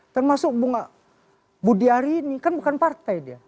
termasuk bunga budiari ini kan bukan partai dia